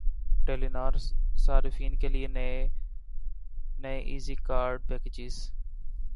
ٹیلی نار صارفین کے لیے نئے ایزی کارڈ پیکجز